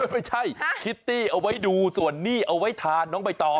ไม่ใช่คิตตี้เอาไว้ดูส่วนหนี้เอาไว้ทานน้องใบตอง